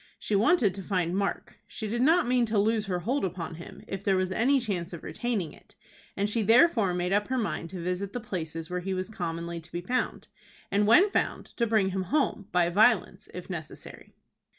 She wanted to find Mark. She did not mean to lose her hold upon him, if there was any chance of retaining it, and she therefore made up her mind to visit the places where he was commonly to be found, and, when found, to bring him home, by violence, if necessary.